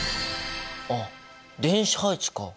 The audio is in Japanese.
あっ電子配置か！